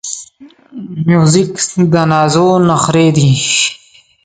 موزیک د نازو نخری دی.